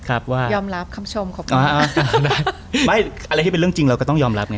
ครับว่ายอมรับคำชมขอบคุณไม่อะไรที่เป็นเรื่องจริงเราก็ต้องยอมรับไง